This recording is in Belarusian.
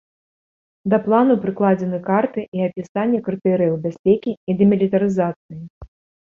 Да плану прыкладзены карты і апісанне крытэрыяў бяспекі і дэмілітарызацыі.